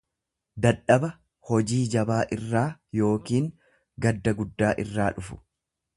dadhaba hojii jabaa irraa yookiin gadda guddaa irraa dhufu.